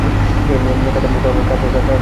খাচা ভেঙে উড়ে যাওয়া।